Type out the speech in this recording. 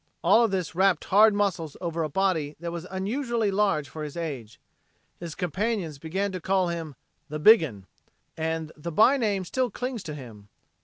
All of this wrapped hard muscles over a body that was unusually large for his age. His companions began to call him "The Big un" and the by name still clings to him.